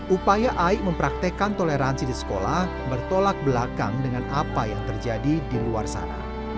upaya aik mempraktekan toleransi di sekolah bertolak belakang dengan apa yang terjadi di luar sana